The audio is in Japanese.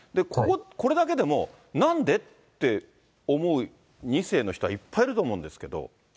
これだけでも、なんで？って思う２世の人はいっぱいいると思うんですけど。